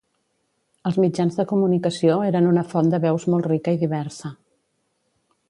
Els mitjans de comunicació eren una font de veus molt rica i diversa.